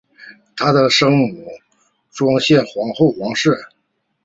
她的生母庄宪皇后王氏。